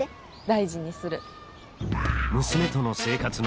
大事にする。